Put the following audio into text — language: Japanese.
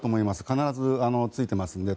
必ずついていますので。